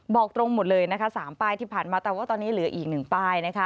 บอกตรงหมดเลยนะคะ๓ป้ายที่ผ่านมาแต่ว่าตอนนี้เหลืออีก๑ป้ายนะคะ